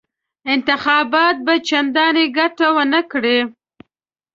انتخابات به چنداني ګټه ونه کړي.